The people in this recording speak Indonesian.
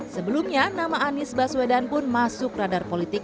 sebelumnya nama anies baswedan pun masuk radar politik